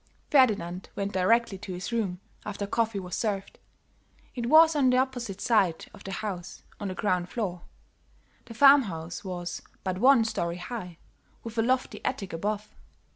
Ferdinand went directly to his room after coffee was served. It was on the opposite side of the house, on the ground floor; the farm house was but one story high, with a lofty attic above.